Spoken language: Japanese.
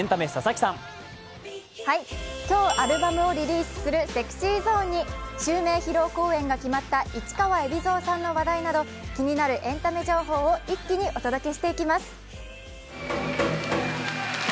今日、アルバムをリリースするＳｅｘｙＺｏｎｅに襲名披露公演が決まった市川海老蔵さんの話題など気になるエンタメ情報を一気にお届けしていきます。